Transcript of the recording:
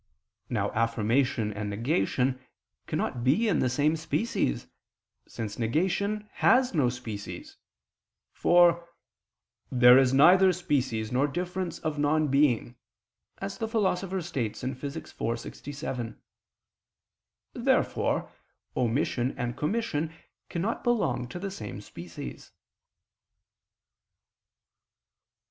Now affirmation and negation cannot be in the same species, since negation has no species; for "there is neither species nor difference of non being," as the Philosopher states (Phys. iv, text. 67). Therefore omission and commission cannot belong to the same species.